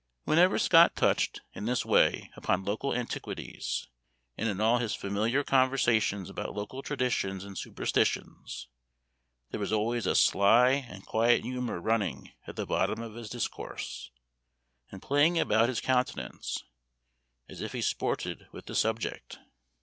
Whenever Scott touched, in this way, upon local antiquities, and in all his familiar conversations about local traditions and superstitions, there was always a sly and quiet humor running at the bottom of his discourse, and playing about his countenance, as if he sported with the subject.